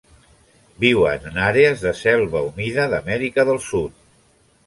Viuen en àrees de selva humida d'Amèrica del Sud.